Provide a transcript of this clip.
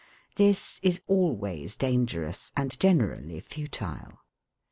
This is always dangerous and generally futile.